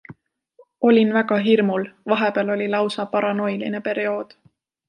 Olin väga hirmul, vahepeal oli lausa paranoiline periood.